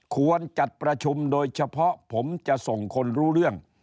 ควรจัดประชุมโดยเฉพาะผมจะส่งคนรู้เรื่อง